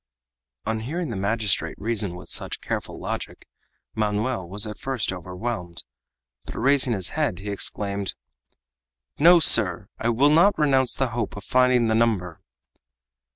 On hearing the magistrate reason with such careful logic, Manoel was at first overwhelmed, but, raising his head, he exclaimed: "No, sir, I will not renounce the hope of finding the number!"